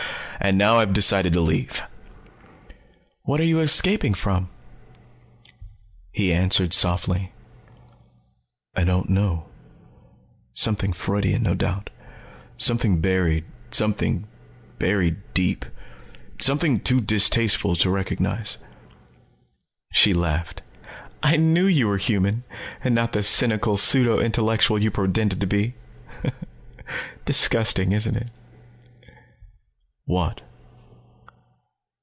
And now I've decided to leave." "What are you escaping from?" He answered softly. "I don't know. Something Freudian, no doubt. Something buried, buried deep. Something too distasteful to recognize." She laughed. "I knew you were human and not the cynical pseudo intellectual you pretended to be. Disgusting, isn't it?" "What?"